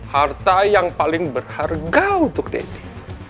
harta yang paling berharga untuk deddy